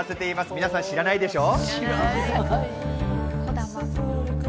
皆さん、知らないでしょ？